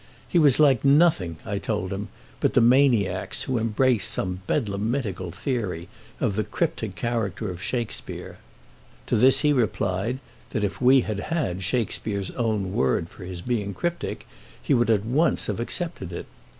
He was like nothing, I told him, but the maniacs who embrace some bedlamitical theory of the cryptic character of Shakespeare. To this he replied that if we had had Shakespeare's own word for his being cryptic he would at once have accepted it.